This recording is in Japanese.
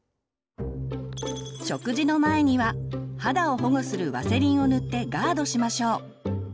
食事の前には肌を保護するワセリンを塗ってガードしましょう。